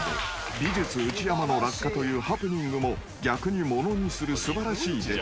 美術内山の落下というハプニングも逆に物にする素晴らしい出来］